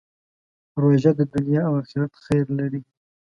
روژه د دنیا او آخرت خیر لري.